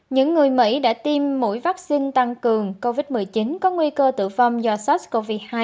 những người mỹ đã tiêm mũi vaccine tăng cường covid một mươi chín có nguy cơ tử vong do sars cov hai